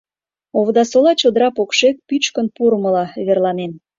Овдасола чодыра покшек пӱчкын пурымыла верланен.